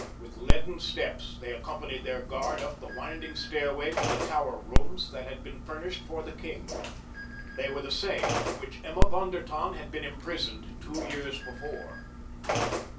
With leaden steps they accompanied their guard up the winding stairway to the tower rooms that had been furnished for the king. They were the same in which Emma von der Tann had been imprisoned two years before.